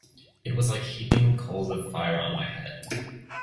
It was like heaping coals of fire on my head.